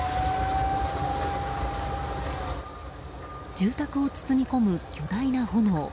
住宅を包み込む巨大な炎。